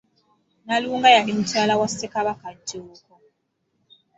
Nalunga yali mukyala wa Ssekabaka Jjuuko.